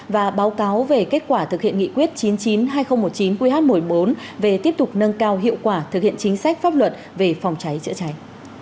và báo cáo về kết quả thực hiện nghị quyết chín mươi chín hai nghìn một mươi chín qh một mươi bốn về tiếp tục nâng cao hiệu quả thực hiện chính sách pháp luật về phòng cháy chữa cháy